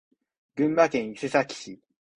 群馬県伊勢崎市